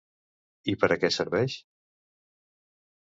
I per a què serveix?